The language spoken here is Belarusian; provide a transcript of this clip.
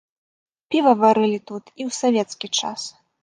Піва варылі тут і ў савецкі час.